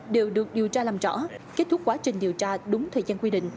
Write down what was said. đều được điều tra làm rõ kết thúc quá trình điều tra đúng thời gian quy định